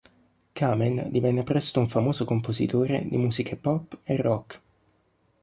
Kamen divenne presto un famoso compositore di musiche pop e rock.